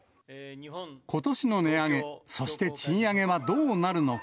ことしの値上げ、そして賃上げはどうなるのか。